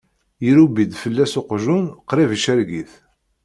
Yerrubbi-d fell-as uqjun, qrib icerreg-it.